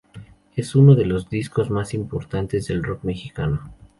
Es uno de los discos más importantes del rock mexicano.